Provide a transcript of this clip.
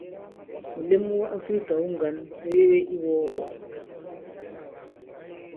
Wùlem wu Àfrikà wu ŋgǎn wu yebe i iwɔ̄ɔwàk.